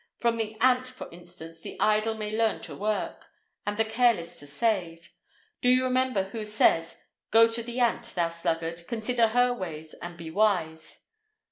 From the ant, for instance, the idle may learn to work, and the careless to save. Do you remember who says, 'Go to the ant, thou sluggard, consider her ways and be wise?